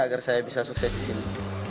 agar saya bisa sukses disini